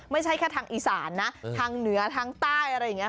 ไม่ใช่แค่ทางอีสานนะทางเหนือทางใต้อะไรอย่างนี้